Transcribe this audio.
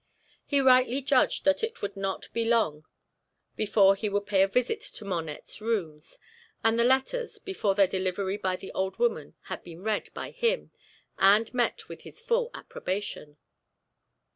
He rightly judged that it would not be long before he would pay a visit to Monette's rooms, and the letters, before their delivery by the old woman, had been read by him, and met with his full approbation.